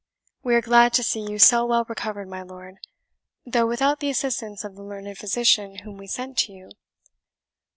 We are glad to see you so well recovered, my lord, though without the assistance of the learned physician whom we sent to you.